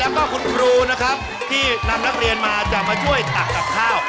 แล้วก็คุณครูนะครับที่นำนักเรียนมาจะมาช่วยตักกับข้าว